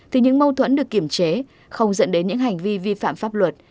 thì những mâu thuẫn được kiểm chế không dẫn đến những hành vi vi phạm pháp luật